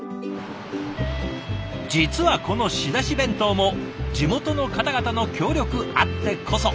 実はこの仕出し弁当も地元の方々の協力あってこそ。